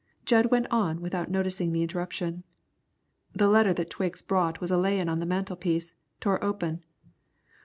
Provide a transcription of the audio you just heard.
Jud went on without noticing the interruption. "The letter that Twiggs brought was a layin' on the mantelpiece, tore open.